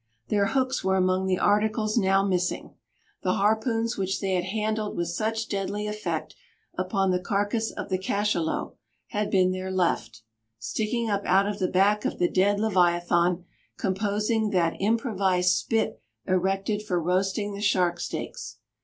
Their hooks were among the articles now missing. The harpoons which they had handled with such deadly effect upon the carcass of the cachalot had been there left, sticking up out of the back of the dead leviathan composing that improvised spit erected for roasting the shark steaks.